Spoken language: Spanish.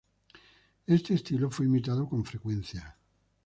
Este estilo fue imitado con frecuencia.